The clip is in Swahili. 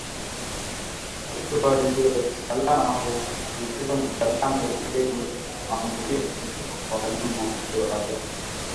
Kupe waliosalama huvyonza damu yenye maambukizi kutoka kwa wanyama walioathirika